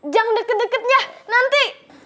jangan deket deketnya nanti